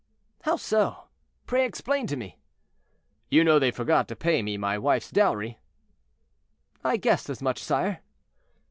"How so? Pray explain to me." "You know they forgot to pay me my wife's dowry." "I guessed as much, sire."